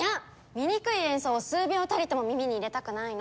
醜い演奏を数秒たりとも耳に入れたくないの。